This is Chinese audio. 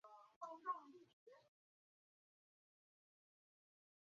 托洛茨基将斯大林统治下的苏联定义为由官僚阶层统治的计划经济。